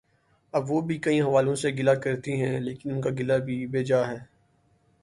اب وہ بھی کئی حوالوں سے گلہ کرتی ہیں لیکن ان کا گلہ بھی بے جا ہے۔